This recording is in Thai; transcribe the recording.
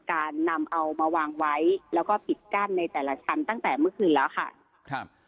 การนำเอามาวางไว้แล้วก็ปิดกั้นในแต่ละชั้นตั้งแต่เมื่อคืนแล้วค่ะครับ